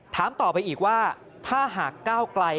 ถามต่อไปอีกว่าถ้าหากก้าวไกล